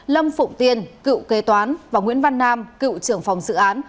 lâm phụng tiên cựu kê toán và nguyễn văn nam cựu trưởng phòng dự án